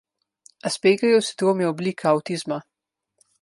Aspergerjev sindrom je oblika avtizma.